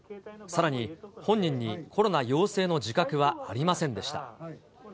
さらに本人にコロナ陽性の自覚はありませんでした。